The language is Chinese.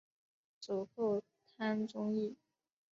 祖父汤宗义。